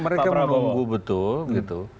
mereka menunggu betul gitu